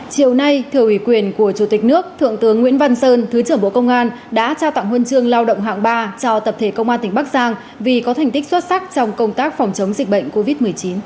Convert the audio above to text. chiều nay thừa ủy quyền của chủ tịch nước thượng tướng nguyễn văn sơn thứ trưởng bộ công an đã trao tặng huân chương lao động hạng ba cho tập thể công an tỉnh bắc giang vì có thành tích xuất sắc trong công tác phòng chống dịch bệnh covid một mươi chín